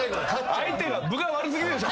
相手が分が悪過ぎるでしょ